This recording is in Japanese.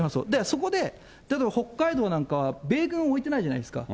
そこで、だけど北海道なんかは、米軍置いてないじゃないですか。